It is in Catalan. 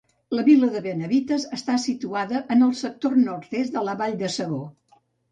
La vila de Benavites està situada en el sector nord-est de la Vall de Segó.